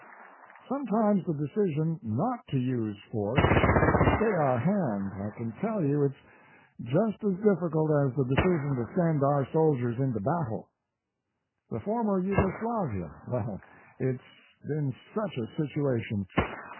Sometimes the decision not to use force, to stay our hand, I can tell you, it's just as difficult as the decision to send our soldiers into battle. The former Yugoslavia, well, it's been such a situation.